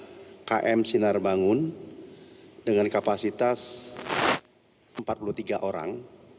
km sinoprofes adalah sebuah kebunan yang terbangun dengan kapasitas empat puluh tiga orang